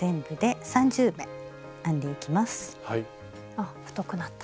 あっ太くなった。